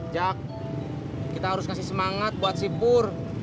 jak kita harus kasih semangat buat si pur